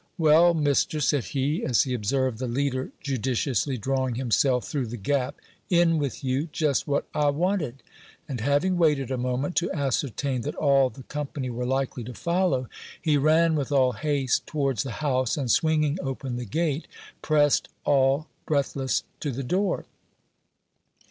"Well, mister," said he, as he observed the leader judiciously drawing himself through the gap, "in with you just what I wanted;" and having waited a moment to ascertain that all the company were likely to follow, he ran with all haste towards the house, and swinging open the gate, pressed all breathless to the door.